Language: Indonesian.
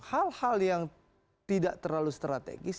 hal hal yang tidak terlalu strategis